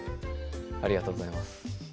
ありがとうございます